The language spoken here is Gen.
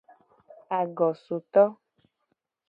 Agosoto.